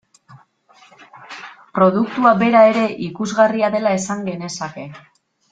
Produktua bera ere ikusgarria dela esan genezake.